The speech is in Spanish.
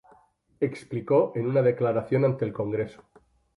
Explicó en una declaración ante el Congreso,